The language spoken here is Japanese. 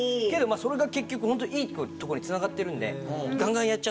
それが結局いいとこにつながってるんで。